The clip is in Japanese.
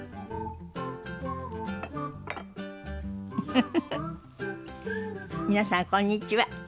フフフフ皆さんこんにちは。